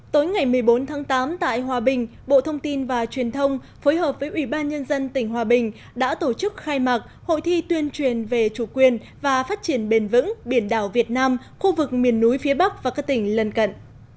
tối ngày một mươi bốn tháng tám tại hòa bình bộ thông tin và truyền thông phối hợp với ủy ban nhân dân tỉnh hòa bình đã tổ chức khai mạc hội thi tuyên truyền về chủ quyền và phát triển bền vững biển đảo việt nam khu vực miền núi phía bắc và các tỉnh lần cận